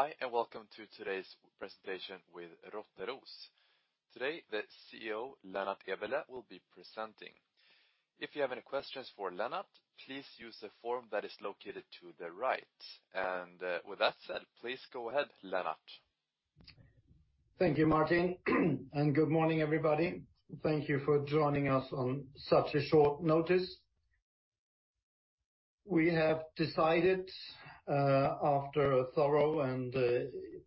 Hi, and welcome to today's presentation with Rottneros. Today, the CEO, Lennart Eberleh, will be presenting. If you have any questions for Lennart, please use the form that is located to the right. With that said, please go ahead, Lennart. Thank you, Martin. Good morning, everybody. Thank you for joining us on such a short notice. We have decided after a thorough, and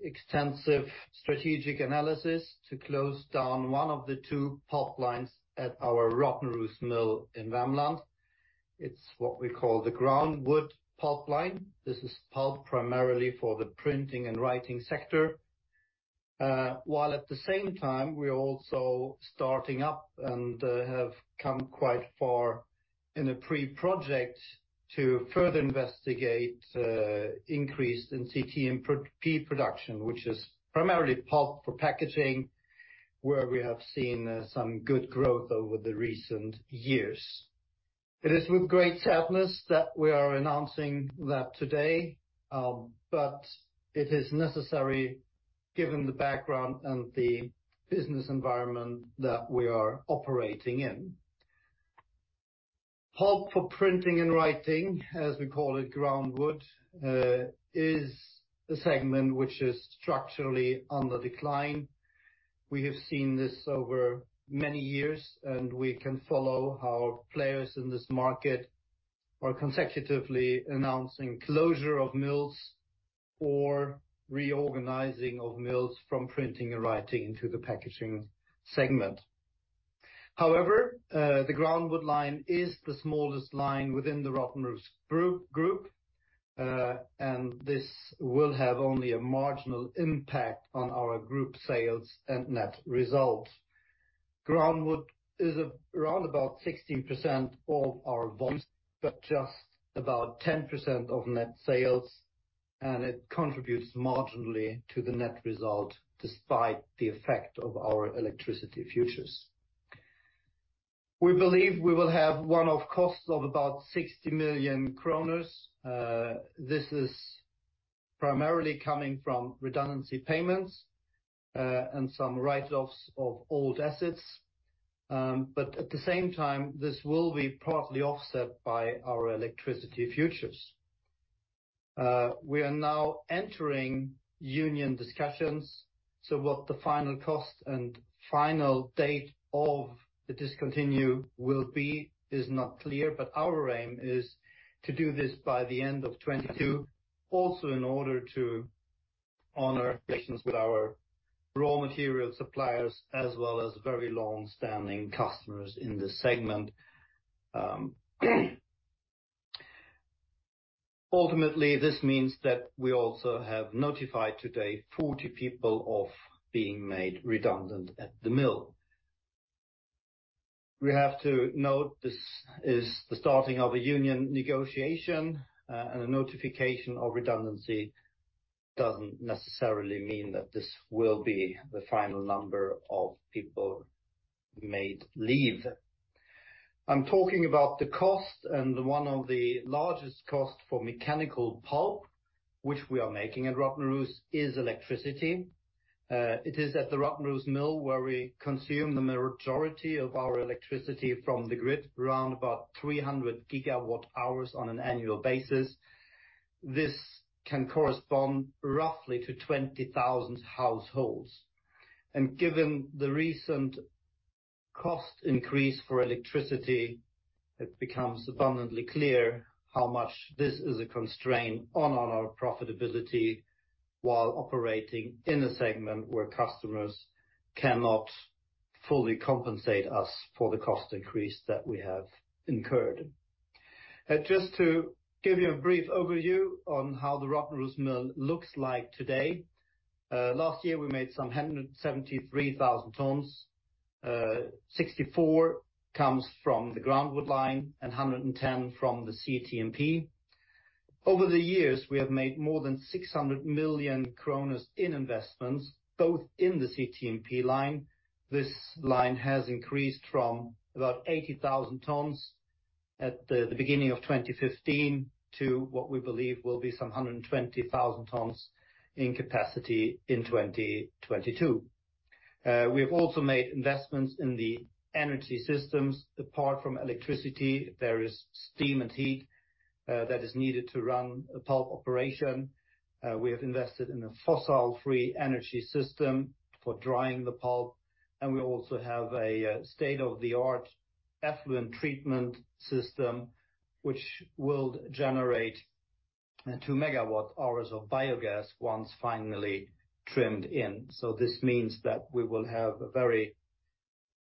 extensive strategic analysis, to close down one of the two pulp lines at our Rottneros Mill in Värmland. It's what we call the groundwood pulp line. This is pulp primarily for the printing and writing sector. While at the same time, we are also starting up, and have come quite far in a pre-project to further investigate increase in CTMP production, which is primarily pulp for packaging, where we have seen some good growth over the recent years. It is with great sadness that we are announcing that today, but it is necessary given the background, and the business environment that we are operating in. Pulp for printing and writing, as we call it groundwood, is a segment which is structurally on the decline. We have seen this over many years, and we can follow how players in this market are consecutively announcing closure of mills, or reorganizing of mills from printing and writing into the packaging segment. However, the groundwood line is the smallest line within the Rottneros Group, and this will have only a marginal impact on our group sales and net results. Groundwood is around about 16% of our volume, but just about 10% of net sales, and it contributes marginally to the net result despite the effect of our electricity futures. We believe we will have one-off costs of about 60 million kronor. This is primarily coming from redundancy payments, and some write-offs of old assets. At the same time, this will be partly offset by our electricity futures. We are now entering union discussions, so what the final cost and final date of the discontinue will be is not clear, but our aim is to do this by the end of 2022, also in order to honor relations with our raw material suppliers as well as very long-standing customers in this segment. Ultimately, this means that we also have notified today, 40 people of being made redundant at the mill. We have to note this is the starting of a union negotiation, and a notification of redundancy doesn't necessarily mean that this will be the final number of people made leave. I'm talking about the cost, and one of the largest costs for mechanical pulp, which we are making at Rottneros, is electricity. It is at the Rottneros Mill where we consume the majority of our electricity from the grid, around about 300 GWh on an annual basis. This can correspond roughly to 20,000 households. Given the recent cost increase for electricity, it becomes abundantly clear how much this is a constraint on our profitability while operating in a segment where customers cannot fully compensate us for the cost increase that we have incurred. Just to give you a brief overview on how the Rottneros Mill looks like today. Last year, we made some 173,000 tons. Sixty four comes from the groundwood line and 110 from the CTMP. Over the years, we have made more than 600 million kronor in investments, both in the CTMP line. This line has increased from about 80,000 tons at the beginning of 2015 to what we believe will be some 120,000 tons in capacity in 2022. We have also made investments in the energy systems. Apart from electricity, there is steam and heat that is needed to run a pulp operation. We have invested in a fossil free energy system for drying the pulp, and we also have a state of the art effluent treatment system which will generate two MWh of biogas once finally trimmed in. This means that we will have a very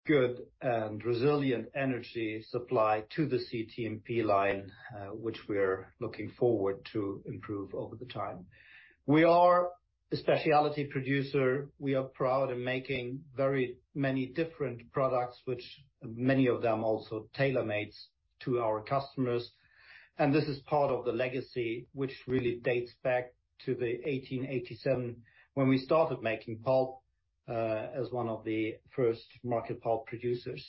good and resilient energy supply to the CTMP line, which we're looking forward to improve over the time. We are, a specialty producer. We are proud in making very many different products, which many of them also tailor-made to our customers. This is part of the legacy which really dates back to 1887 when we started making pulp, as one of the first market pulp producers.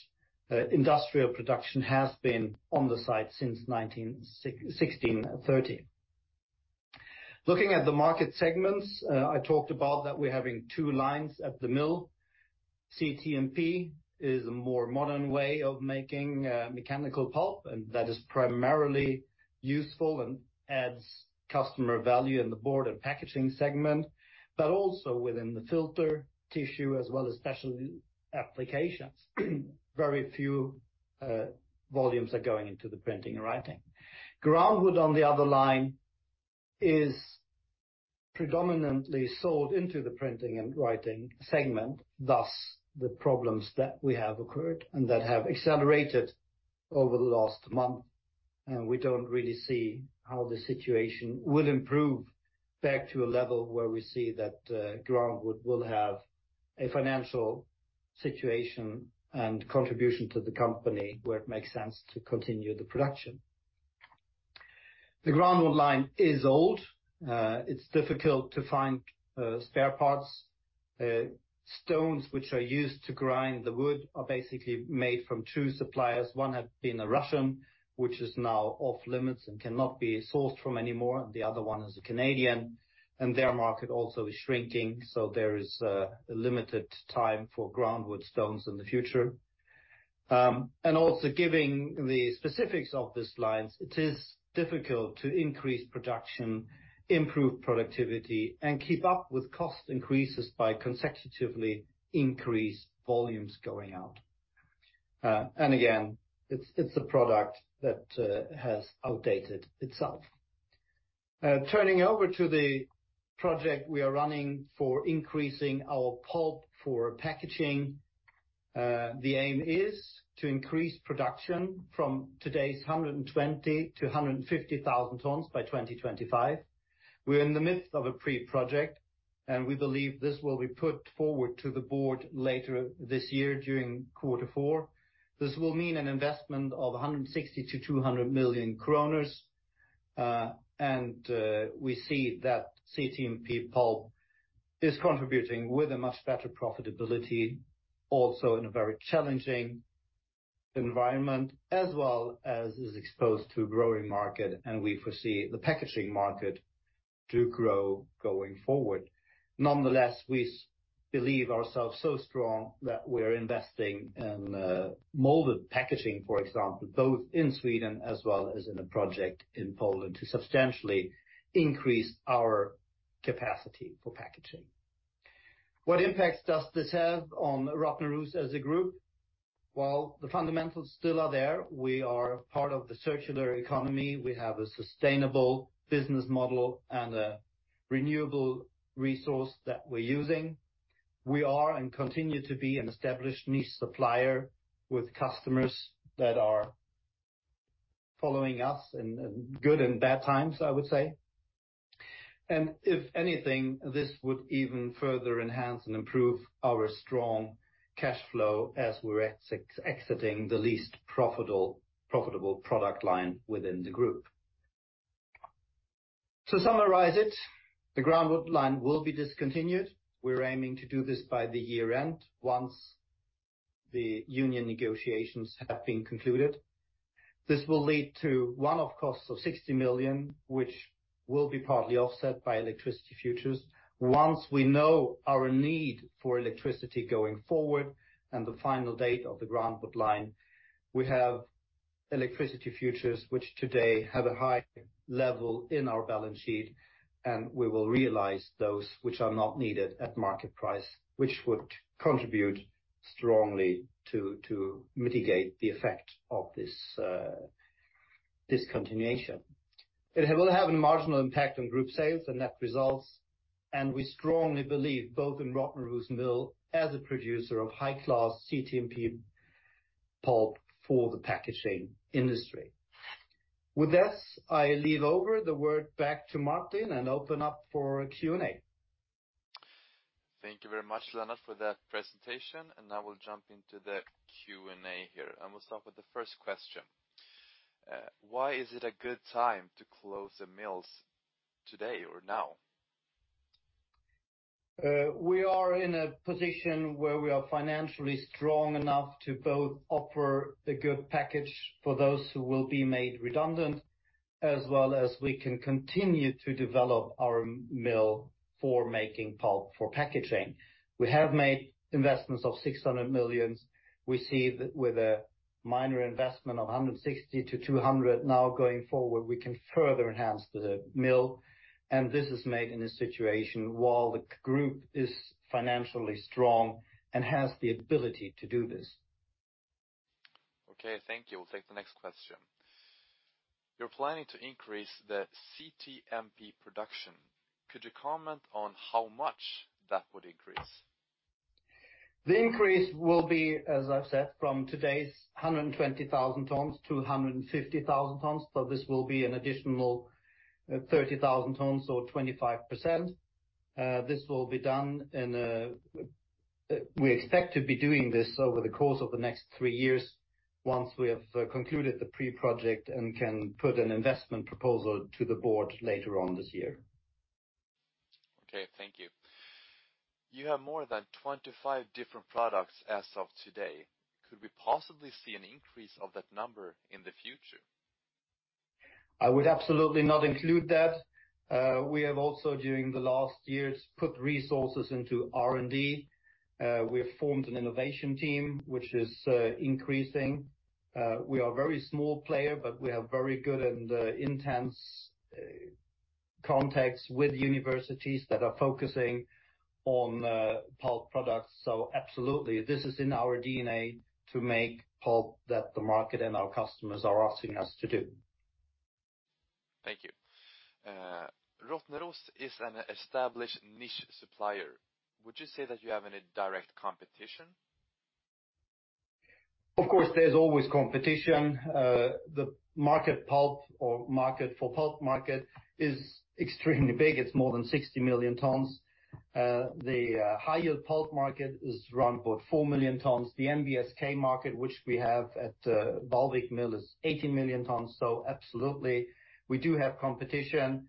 Industrial production has been on the site since 1630. Looking at the market segments, I talked about that we're having two lines at the mill. CTMP is a more modern way of making mechanical pulp, and that is primarily useful and adds customer value in the board and packaging segment, but also within the filter tissue as well as special applications. Very few volumes are going into the printing and writing. Groundwood on the other line is predominantly sold into the printing and writing segment, thus, the problems that have occurred and that have accelerated over the last month. We don't really see how the situation will improve back to a level where we see that groundwood will have a financial situation, and contribution to the company where it makes sense to continue the production. The groundwood line is old. It's difficult to find spare parts. Stones which are used to grind the wood are basically made from two suppliers. One had been a Russian, which is now off-limits and cannot be sourced from anymore, and the other one is a Canadian, and their market also is shrinking. There is a limited time for groundwood stones in the future. Also, giving the specifics of these lines, it is difficult to increase production, improve productivity, and keep up with cost increases by consecutively increased volumes going out. Again, it's a product that has outdated itself. Turning over to the project we are running for increasing our pulp for packaging, the aim is to increase production from today's 120,000-150,000 tons by 2025. We're in the midst of a pre-project, and we believe this will be put forward to the board later this year during quarter four. This will mean an investment of 160-200 million kronor. We see that CTMP pulp is contributing with a much better profitability, also in a very challenging environment, as well as is exposed to a growing market, and we foresee the packaging market to grow going forward. Nonetheless, we believe ourselves so strong that we're investing in molded fiber, for example, both in Sweden as well as in a project in Poland to substantially increase our capacity for packaging. What impacts does this have on Rottneros as a group? While the fundamentals still are there, we are part of the circular economy. We have a sustainable business model, and a renewable resource that we're using. We are, and continue to be an established niche supplier with customers that are following us in good and bad times, I would say. If anything, this would even further enhance and improve our strong cash flow as we're exiting the least profitable product line within the group. To summarize it, the groundwood line will be discontinued. We're aiming to do this by the year-end, once the union negotiations have been concluded. This will lead to one-off costs of 60 million, which will be partly offset by electricity futures. Once we know our need for electricity going forward, and the final date of the groundwood line, we have electricity futures which today have a high level in our balance sheet, and we will realize those which are not needed at market price, which would contribute strongly to mitigate the effect of this discontinuation. It will have a marginal impact on group sales and net results, and we strongly believe both in Rottneros Mill as a producer of high-class CTMP pulp for the packaging industry. With this, I hand the word back to Martin and open up for Q&A. Thank you very much, Lennart, for that presentation. Now we'll jump into the Q&A here. We'll start with the first question. Why is it a good time to close the mills today, or now? We are in a position where we are financially strong enough to both offer a good package for those who will be made redundant, as well as we can continue to develop our mill for making pulp for packaging. We have made investments of 600 million. We see that with a minor investment of 160 million-200 million now going forward, we can further enhance the mill. This is made in a situation while the group is financially strong, and has the ability to do this. Okay, thank you. We'll take the next question. You're planning to increase the CTMP production. Could you comment on how much that would increase? The increase will be, as I've said, from today's 120,000 tons to 150,000 tons. This will be an additional 30,000 tons or 25%. This will be done over the course of the next three years once we have concluded the pre-project and can put an investment proposal to the board later on this year. Okay, thank you. You have more than 25 different products as of today. Could we possibly see an increase of that number in the future? I would absolutely not include that. We have also during the last years, put resources into R&D. We have formed an innovation team, which is, increasing. We are very small player, but we are very good and, intense, contacts with universities that are focusing on, pulp products. Absolutely, this is in our DNA to make pulp that the market and our customers are asking us to do. Thank you. Rottneros is an established niche supplier. Would you say that you have any direct competition? Of course, there's always competition. The market pulp market is extremely big. It's more than 60 million tons. The high-yield pulp market is around about four million tons. The NBSK market, which we have at Vallvik Mill, is 18 million tons. Absolutely, we do have competition.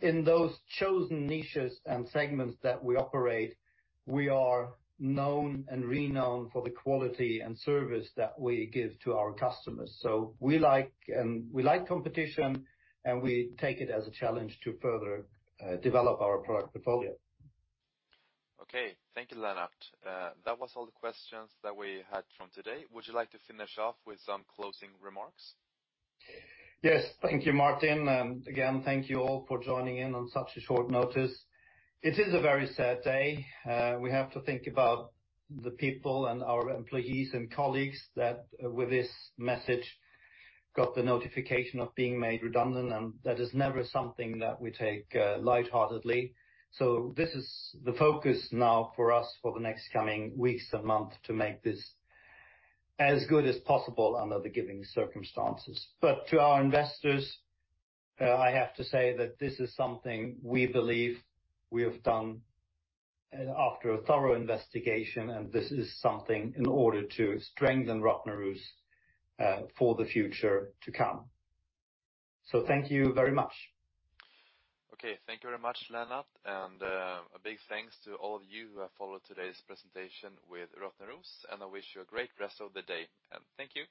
In those chosen niches and segments that we operate, we are known and renowned for the quality and service that we give to our customers. We like competition, and we take it as a challenge to further develop our product portfolio. Okay, thank you, Lennart. That was all the questions that we had from today. Would you like to finish off with some closing remarks? Yes. Thank you, Martin. Again, thank you all for joining in on such a short notice. It is a very sad day. We have to think about the people and our employees and colleagues that with this message got the notification of being made redundant, and that is never something that we take lightheartedly. This is the focus now for us for the next coming weeks and month to make this as good as possible under the given circumstances. To our investors, I have to say that this is something we believe we have done after a thorough investigation, and this is something in order to strengthen Rottneros for the future to come. Thank you very much. Okay. Thank you very much, Lennart. A big thanks to all of you who have followed today's presentation with Rottneros. I wish you a great rest of the day. Thank you.